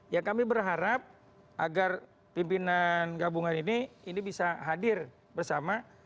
ya kami berharap agar pimpinan gabungan ini ini bisa hadir bersama